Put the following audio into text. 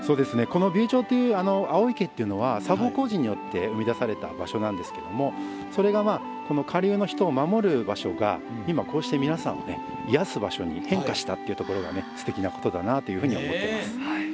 この美瑛町というのの青い池というのは砂防工事によって生み出された場所なんですけどもそれが下流の人を守る場所がこうして皆さんを癒やす場所に変化したということがすてきなことだなと思ってます。